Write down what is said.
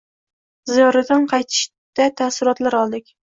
Ziyoratdan qaytishda taassurotlar oldik.